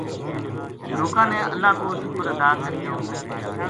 لوکاں نے اللہ کو شکر ادا کریو